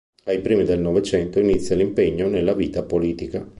Ai primi del novecento inizia l'impegno nella vita politica.